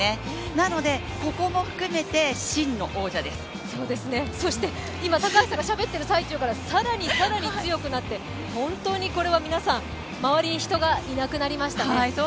なので、ここも含めて真の王者ですそして今高橋さんがしゃべっている最中から更に更に強くなって本当にこれは皆さん、周りに人がいなくなりましたね。